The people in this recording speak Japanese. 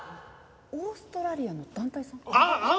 オーストラリアの団体さん？